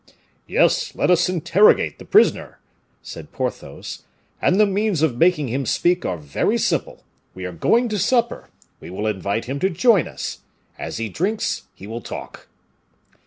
"Yes, let us interrogate the prisoner," said Porthos, "and the means of making him speak are very simple. We are going to supper; we will invite him to join us; as he drinks he will talk."